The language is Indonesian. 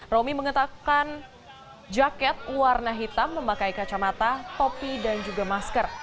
romi mengetakkan jaket warna hitam memakai kacamata topi dan juga masker